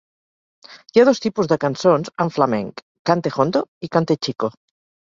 Hi ha dos tipus de cançons en flamenc: "cante jondo" i "cante chico".